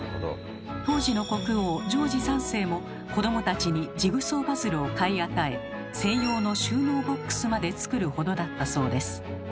当時の国王ジョージ３世も子どもたちにジグソーパズルを買い与え専用の収納ボックスまで作るほどだったそうです。